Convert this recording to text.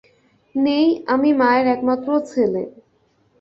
নেই, আমি মায়ের একমাত্র ছেলে।